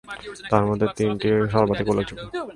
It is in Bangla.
তার মধ্যে তিনটি সর্বাধিক উল্লেখযোগ্য।